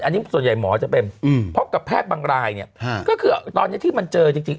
อันนี้ส่วนใหญ่หมอจะเป็นพบกับแพทย์บางรายเนี่ยก็คือตอนนี้ที่มันเจอจริง